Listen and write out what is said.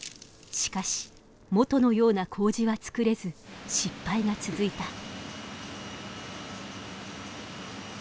しかし元のような麹はつくれず失敗が続いた。